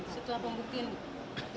setelah pembuktian bu